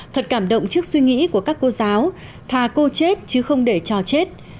thật cảm động trước suy nghĩ của các cô giáo thà cô chết chứ không để trò chết